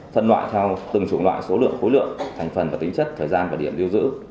thân loại theo từng chủ loại số lượng khối lượng thành phần và tính chất thời gian và điểm lưu giữ